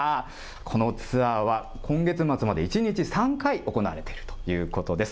このツアーは今月末まで１日３回行われているということです。